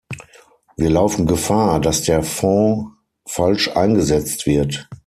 Wir laufen Gefahr, dass der Fonds falsch eingesetzt wird.